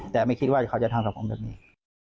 แต่ไม่คิดว่าเขาจะทำสังคมแบบนี้